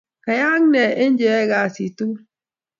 Koaak nee eng' che oyae kasi tukul?